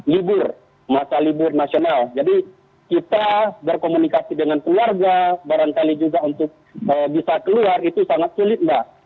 libur masa libur nasional jadi kita berkomunikasi dengan keluarga barangkali juga untuk bisa keluar itu sangat sulit mbak